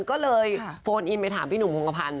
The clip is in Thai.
ก็เลยโฟนอินไปถามพี่หนุ่มพงกระพันธ